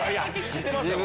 知ってますよ。